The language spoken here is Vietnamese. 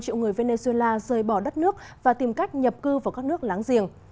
nhiều người venezuela rời bỏ đất nước và tìm cách nhập cư vào các nước láng giềng